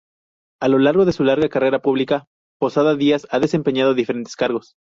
A lo largo de su larga carrera pública, Posada Díaz ha desempeñado diferentes cargos.